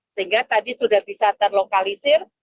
sehingga tadi sudah bisa terlokalisir